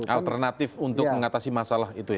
alternatif untuk mengatasi masalah itu ya